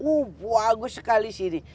wuh bagus sekali sini